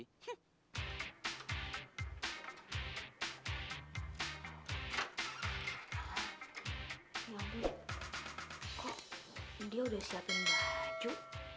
kok india udah siapin baju